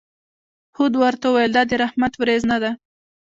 هود ورته وویل: دا د رحمت ورېځ نه ده.